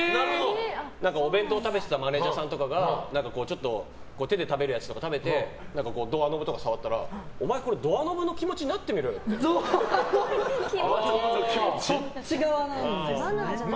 お弁当食べてたマネジャーさんとかがちょっと手で食べるやつとか食べてドアノブとか触ったらお前これ、ドアノブの気持ちにそっち側なんですね。